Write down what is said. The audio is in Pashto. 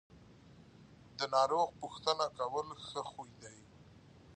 د ناروغ پوښتنه کول ښه خوی دی.